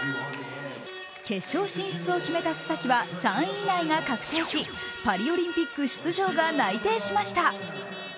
決勝進出を決めた須崎は３位以内が確定しパリオリンピック出場が内定しました。